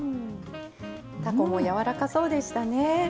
たこもやわらかそうでしたね。